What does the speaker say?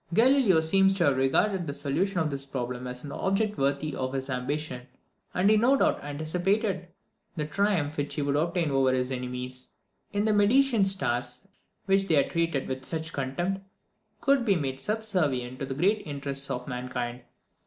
Galileo seems to have regarded the solution of this problem as an object worthy of his ambition; and he no doubt anticipated the triumph which he would obtain over his enemies, if the Medicean stars, which they had treated with such contempt, could be made subservient to the great interests of mankind.